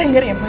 tengger ya ma